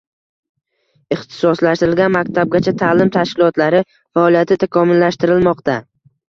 Ixtisoslashtirilgan maktabgacha ta’lim tashkilotlari faoliyati takomillashtirilmoqda